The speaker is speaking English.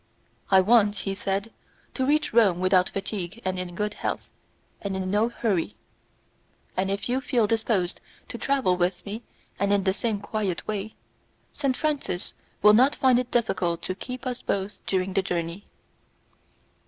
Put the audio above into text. "I want," he said, "to reach Rome without fatigue and in good health. I am in no hurry, and if you feel disposed to travel with me and in the same quiet way, Saint Francis will not find it difficult to keep us both during the journey."